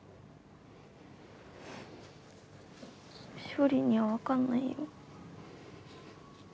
勝利には分かんないよ。